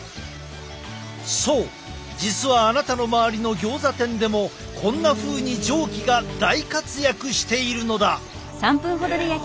そう実はあなたの周りのギョーザ店でもこんなふうに蒸気が大活躍しているのだ！